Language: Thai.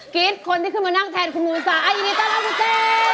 คิดคนที่ขึ้นมานั่งแทนคุณมูลสายินดีต้อนรับคุณเจ